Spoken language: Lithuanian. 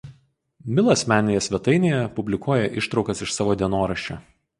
Mila asmeninėje svetainėje publikuoja ištraukas iš savo dienoraščio.